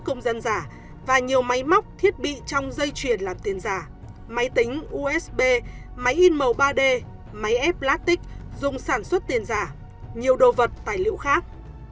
nhiều công dân giả và nhiều máy móc thiết bị trong dây truyền làm tiền giả máy tính usb máy in màu ba d máy ép lát tích dùng sản xuất tiền giả nhiều đồ vật tài liệu khác